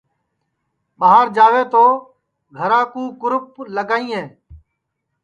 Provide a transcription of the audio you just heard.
ٻار جاوے تو گھرا کُو کُرپ لگائیں